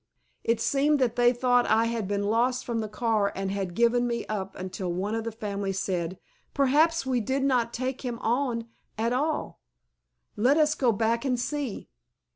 It seemed that they thought I had been lost from the car and had given me up until one of the family said, "Perhaps we did not take him on at all. Let us go back and see."